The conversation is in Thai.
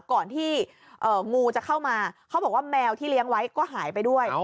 ก่อนที่งูจะเข้ามาเขาบอกว่าแมวที่เลี้ยงไว้ก็หายไปด้วย